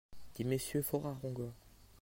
des messieurs fort arrogants.